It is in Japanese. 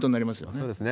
そうですね。